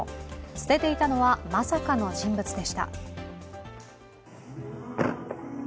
捨てていたのは、まさかの人物でした。